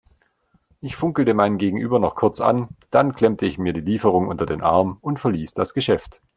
Ich funkelte mein Gegenüber noch kurz an, dann klemmte ich mir die Lieferung unter den Arm und verließ das Geschäft.